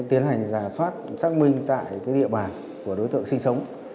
tiến hành giả soát xác minh tại địa bàn của đối tượng sinh sống